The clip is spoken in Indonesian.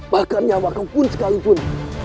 bahkan nyawa kau pun sekalipun